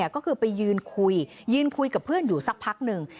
ก็คือไปยืนคุยยืนคุยกับเพื่อนอยู่สักพักหนึ่ง